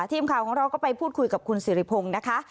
ทีมข่าวของเราก็ไปพูดคุยกับคุณสิริพงศ์นะคะ